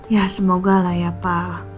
ya semoga lah ya pak